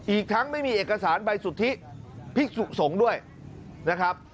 อีกทั้งไม่มีเอกสารใบสุทธิพิกษุสงฆ์ด้วยนะครับ